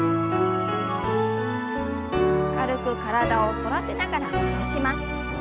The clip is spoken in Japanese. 軽く体を反らせながら伸ばします。